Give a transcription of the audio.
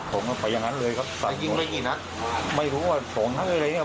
ผมก็ไปอย่างนั้นเลยครับยิงไปกี่นัดไม่รู้ว่าส่วนอะไรอะไรเนี้ย